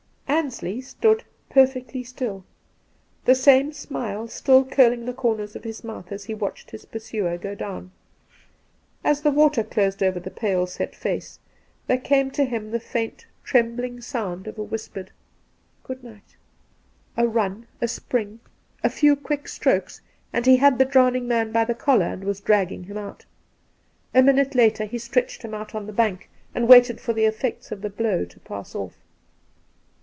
Ansley stood perfectly stiU, the same snule stiU curling the comers of his mouth as he watched his pursuer go down. As the water closed over the pale set face, there came to him the faint, trembling Two Christmas Days 227 sound of a whispered * Good night !' A run, a spring, a few quick strokes, and he had the drown ing man by the collar and was dragging him out. A minute later he stretched him out on the bank, and waited for the effects of the blow to pass off.